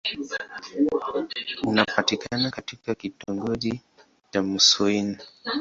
Unapatikana katika kitongoji cha Mouassine.